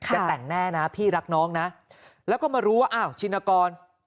จะแต่งแน่นะพี่รักน้องนะแล้วก็มารู้ว่าอ้าวชินกร